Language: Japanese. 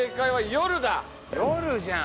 「夜」じゃん。